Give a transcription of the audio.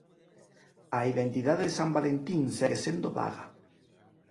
A identidade de San Valentín segue sendo vaga.